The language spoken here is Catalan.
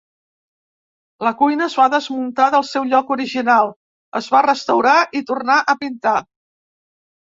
La cuina es va desmuntar del seu lloc original, es va restaurar i tornar a pintar.